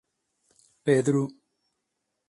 Pedru.